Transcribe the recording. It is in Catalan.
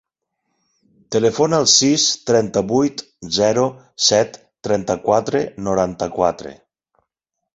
Telefona al sis, trenta-vuit, zero, set, trenta-quatre, noranta-quatre.